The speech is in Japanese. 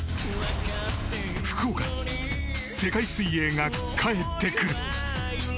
福岡、世界水泳が帰ってくる。